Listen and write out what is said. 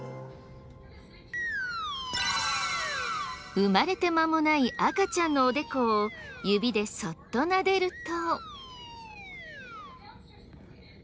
生まれて間もない赤ちゃんのおでこを指でそっとなでると。